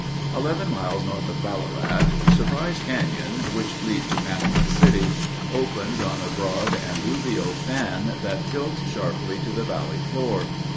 Eleven miles north of Ballarat, Surprise Canyon, which leads to Panamint City, opens on a broad, alluvial fan that tilts sharply to the valley floor.